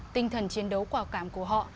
tinh thần chiến đấu quả cảm của họ